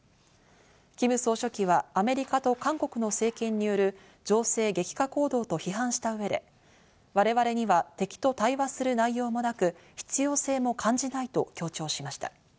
キム総書記はアメリカと韓国の政権による情勢激化行動と批判した上で、我々には敵と対話する内容もなく、必要性も感じないと強調しました。